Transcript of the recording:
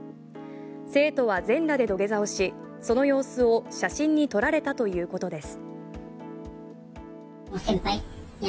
生徒は全裸で土下座をしその様子を写真に撮られたということです。